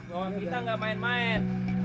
kita gak main main